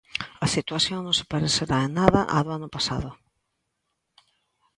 A situación non se parecerá en nada á do ano pasado.